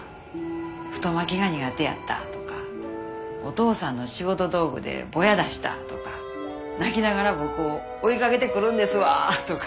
太巻きが苦手やったとかお父さんの仕事道具でボヤ出したとか泣きながら僕を追いかけてくるんですわとか。